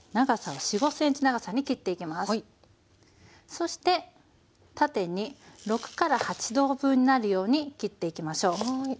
そして縦に６から８等分になるように切っていきましょう。